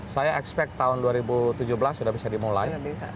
saya expect tahun dua ribu tujuh belas sudah bisa dimulai